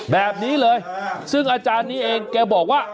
แบบนี้เลยซึ่งอาจารย์นี้เองแกบอกว่า